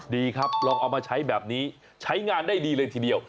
ดีครับลองเอามาใช้แบบนี้ใช้งานได้ดีเลยทีเดียว